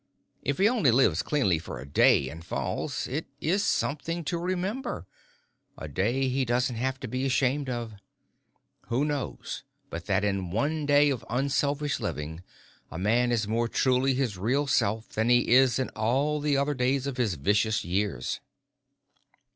If he only lives cleanly for a day and falls.... It's something to remember a day he doesn't have to be ashamed of. Who knows but that in the one day of unselfish living a man is more truly his real self than he is in all the other days of his vicious years.